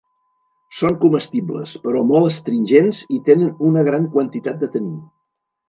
Són comestibles però molt astringents i tenen una gran quantitat de taní.